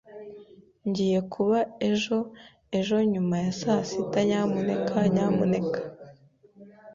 Ngiye kuba ejo ejo nyuma ya saa sita, nyamuneka nyamuneka.